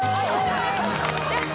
やった。